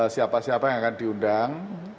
siapa siapa yang akan diundang